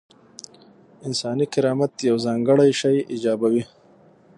انساني کرامت یو ځانګړی شی ایجابوي.